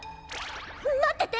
まってて。